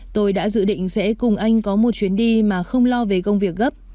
tôi đã dự định sẽ cùng anh có một chuyến đi mà không lo về công việc gấp